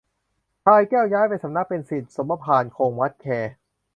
พลายแก้วย้ายสำนักไปเป็นศิษย์สมภารคง วัดแค